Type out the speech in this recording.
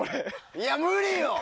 いや、無理よ！